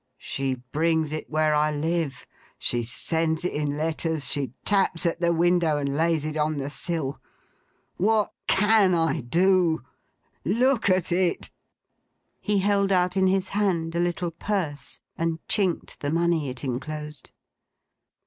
She brings it where I live: she sends it in letters; she taps at the window and lays it on the sill. What can I do? Look at it!' He held out in his hand a little purse, and chinked the money it enclosed.